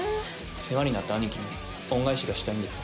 世話になった兄貴に恩返しがしたいんです。